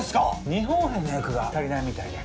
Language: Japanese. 日本兵の役が足りないみたいで。